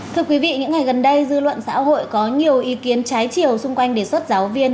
thưa quý vị những ngày gần đây dư luận xã hội có nhiều ý kiến trái chiều xung quanh đề xuất giáo viên